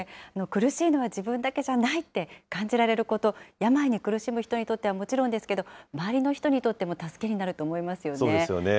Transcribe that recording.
苦しいのは自分だけじゃないって感じられること、病に苦しむ人にとってはもちろんですけど、周りの人にとっても助けになると思いますよね。